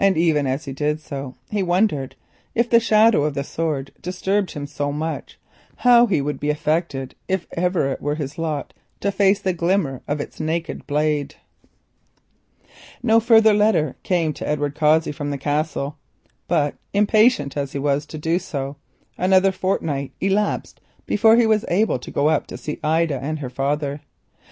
Even as he did so he wondered if the shadow of the sword disturbed him so much, how he would be affected if it ever was his lot to face the glimmer of its naked blade. No further letter came to Edward Cossey from the Castle, but, impatient as he was to do so, another fortnight elapsed before he was able to see Ida and her father.